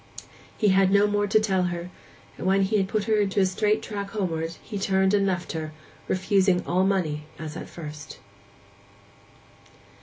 He had no more to tell her; and, when he had put her into a straight track homeward, turned and left her, refusing all money as at first.